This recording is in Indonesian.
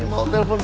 mami yang telepon